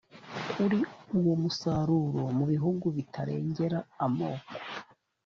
kuri uwo musaruro mu bihugu bitarengera amoko